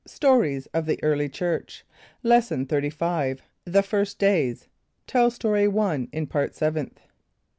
STORIES OF THE EARLY CHURCH. Lesson XXXV. The First Days. (Tell Story 1 in Part Seventh.)